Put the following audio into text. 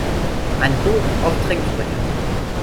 Ein Hoch auf Trinksprüche!